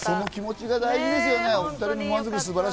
その気持ちが大事ですよね。